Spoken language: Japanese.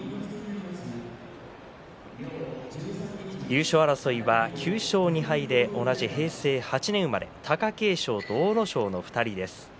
優勝争いは９勝２敗で同じ平成８年生まれ貴景勝と阿武咲の２人です。